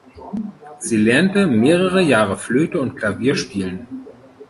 Sie lernte mehrere Jahre Flöte und Klavier spielen.